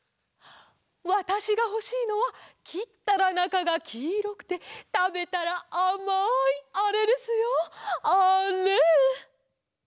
わたしがほしいのはきったらなかがきいろくてたべたらあまいあれですよあれ！